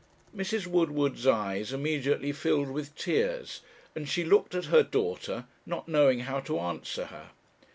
Mrs. Woodward's eyes immediately filled with tears, and she looked at her daughter, not knowing how to answer her.